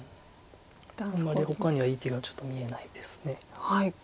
あんまりほかにはいい手がちょっと見えないです。